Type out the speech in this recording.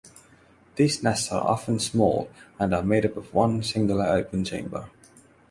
These nests are often small and are made up of one singular open chamber.